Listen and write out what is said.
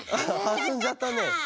はずんじゃったね。